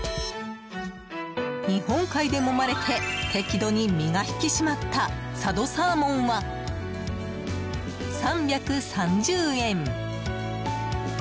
日本海でもまれて適度に身が引き締まった佐渡サーモンは、３３０円。